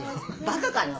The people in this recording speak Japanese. バカかな？